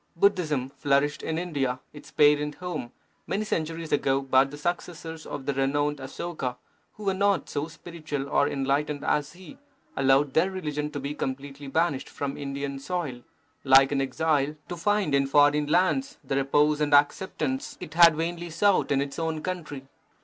Budhism flourished in India, its parent home, many centuries ago, but the successors of the renowned Asoka, who were not so spiritual or enlightened as he, allowed their religion to be completely banished from Indian soil, like an exile, to find in foreign lands the repose and accept Ivi THE SIKH RELIGION ance it had vainly sought in its own country.